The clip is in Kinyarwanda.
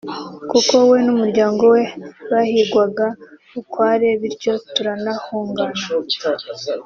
kuko we n’umuryango we bahigwaga bukware bityo turanahungana